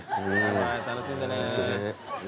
はい楽しんでね。